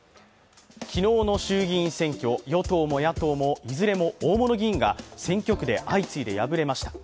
昨日の衆議院選挙、与党も野党もいずれも大物議員が選挙区で相次いで敗れました。